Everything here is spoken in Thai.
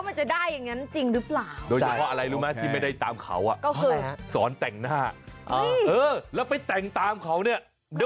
เอามาให้ดูอย่างทาเลย